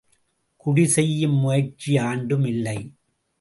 குடி செய்யும் முயற்சியாண்டும் இல்லை!